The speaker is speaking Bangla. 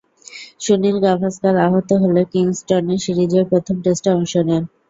সুনীল গাভাস্কার আহত হলে কিংস্টনে সিরিজের প্রথম টেস্টে অংশ নেন।